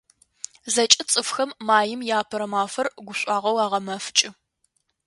ЗэкӀэ цӀыфхэм Маим и Апэрэ мафэр гушӀуагъоу агъэмэфэкӀы.